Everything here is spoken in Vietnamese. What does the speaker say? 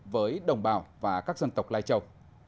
với đồng bào và các dân tộc lai châu